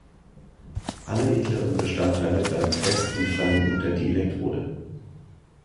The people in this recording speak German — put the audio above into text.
Alle edleren Bestandteile bleiben fest und fallen unter die Elektrode.